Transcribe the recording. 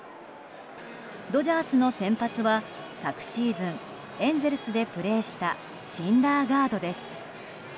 ドジャースの先発は、昨シーズンエンゼルスでプレーしたシンダーガードです。